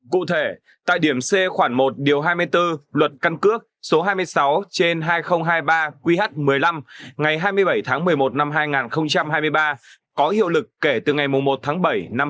cụ thể tại điểm c khoảng một điều hai mươi bốn luật căn cước số hai mươi sáu trên hai nghìn hai mươi ba qh một mươi năm ngày hai mươi bảy tháng một mươi một năm hai nghìn hai mươi ba có hiệu lực kể từ ngày một tháng bảy năm hai nghìn hai mươi bốn